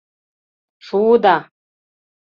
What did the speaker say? — Шуыда.